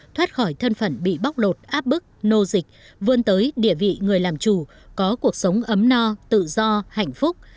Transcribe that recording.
thoát khỏi thân phận bị bóc lột áp bức nô dịch vươn tới địa vị người làm chủ có cuộc sống ấm no tự do hạnh phúc